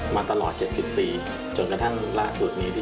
มาตลอด๗๐ปีจนกระทั่งล่าสุดนี้